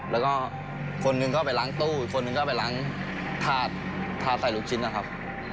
แล้วก็คนหนึ่งก็ไปล้างตู้อีกคนนึงก็ไปล้างถาดทาดใส่ลูกชิ้นนะครับ